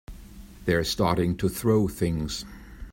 They're starting to throw things!